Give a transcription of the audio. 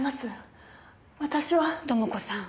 智子さん。